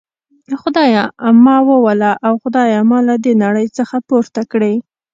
خدایه ما ووله او خدایه ما له دي نړۍ څخه پورته کړي.